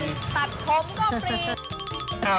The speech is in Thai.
ออกกำลังฟรีครับ